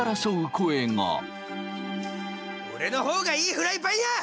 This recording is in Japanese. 俺の方がいいフライパンや！